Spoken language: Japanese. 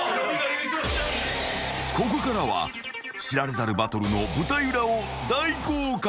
［ここからは知られざるバトルの舞台裏を大公開］